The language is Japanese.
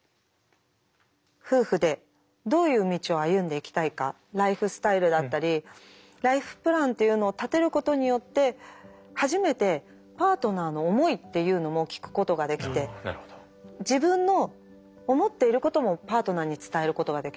夫婦でどういう道を歩んでいきたいかライフスタイルだったりライフプランというのを立てることによって初めてパートナーの思いっていうのも聞くことができて自分の思っていることもパートナーに伝えることができる。